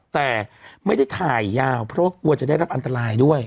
แต่ไม่ได้ถ่ายยาวเพราะว่ากลัวจะได้รับอันตรายด้วย